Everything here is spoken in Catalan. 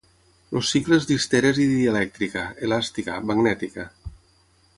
Els cicles d'histèresi dielèctrica, elàstica, magnètica.